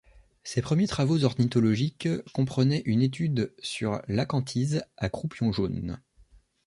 Ses premiers travaux ornithologiques comprenaient une étude sur l'Acanthize à croupion jaune.